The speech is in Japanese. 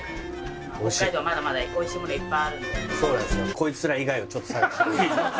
こいつら以外をちょっと探しに。